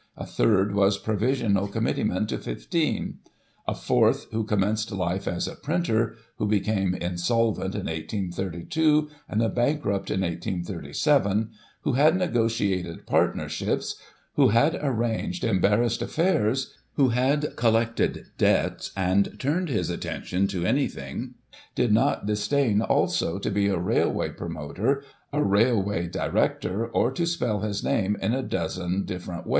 A third was Provisional Committee man to fifteen. A fourth, who commenced life as a printer, who became insolvent in 1832 and a bankrupt in 1837, who had negotiated partnerships, who had arranged embarrassed affairs, who had collected debts, and turned his attention to anything, did not disdain, also, to be a Railway promoter, a Railway director, or to spell his name in a dozen different ways."